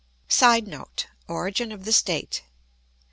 [Sidenote: Origin of the state.